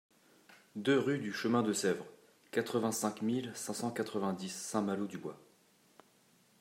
deux rue du Chemin de Sèvre, quatre-vingt-cinq mille cinq cent quatre-vingt-dix Saint-Malô-du-Bois